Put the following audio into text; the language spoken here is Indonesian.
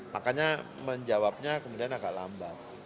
makanya menjawabnya kemudian agak lambat